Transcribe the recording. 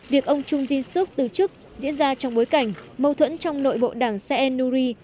việc ông chung jin suk từ chức diễn ra trong bối cảnh mâu thuẫn trong nội bộ đảng senuri